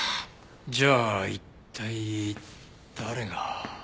じゃあ一体誰が。